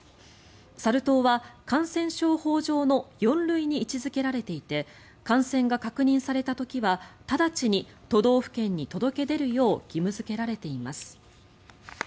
サル痘は感染症法上の４類に位置付けられていて感染が確認された時は直ちに都道府県に届け出るよう義務付けられています。